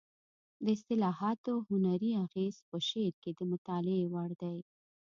د اصطلاحاتو هنري اغېز په شعر کې د مطالعې وړ دی